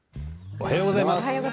おはようございます。